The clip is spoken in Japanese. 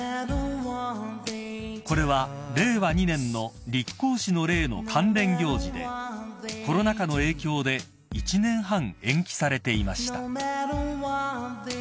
［これは令和２年の立皇嗣の礼の関連行事でコロナ禍の影響で１年半延期されていました］